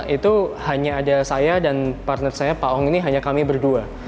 itu hanya ada saya dan partner saya pak ong ini hanya kami berdua